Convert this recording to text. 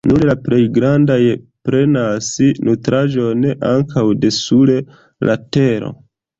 Nur la plej grandaj prenas nutraĵon ankaŭ de sur la tero.